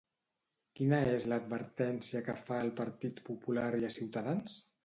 Quina és l'advertència que fa al Partit Popular i a Ciutadans?